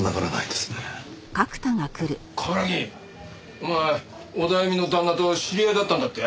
お前オダエミの旦那と知り合いだったんだって？